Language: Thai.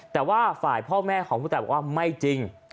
แต่ว่าฝ่ายพ่อแม่ของผู้ตายบอกว่าไม่จริง